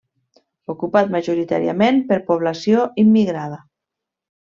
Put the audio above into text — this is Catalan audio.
Ocupat majoritàriament per població immigrada.